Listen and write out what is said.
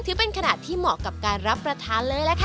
ถือเป็นขนาดที่เหมาะกับการรับประทานเลยล่ะค่ะ